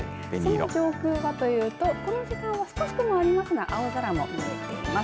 その上空はというとこの時間少し雲ありますが青空も見えています。